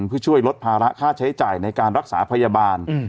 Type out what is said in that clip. เพื่อช่วยลดภาระค่าใช้จ่ายในการรักษาพยาบาล